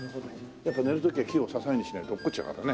やっぱ寝る時は木を支えにしないと落っこっちゃうからね。